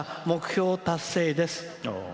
目標達成です」。